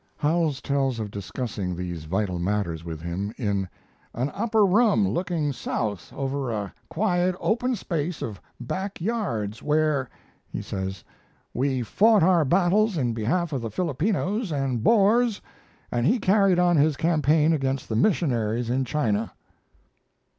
Howells tells of discussing these vital matters with him in "an upper room, looking south over a quiet, open space of back yards where," he says, "we fought our battles in behalf of the Filipinos and Boers, and he carried on his campaign against the missionaries in China."